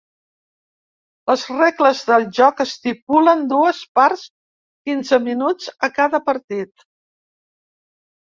Les regles del joc estipulen dues parts quinze minuts a cada partit.